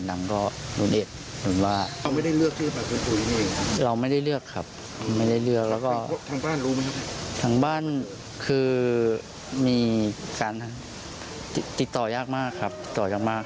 ถ้าพวกเขาเล่าชื่อท่าน